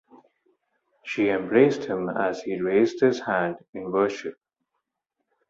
She embraced him as "he raised his hand in worship".